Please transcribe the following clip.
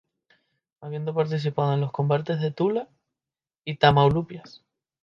Habiendo participado en los combates de Tula y Tamaulipas.